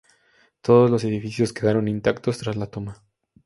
Todos los edificios quedaron intactos tras la toma.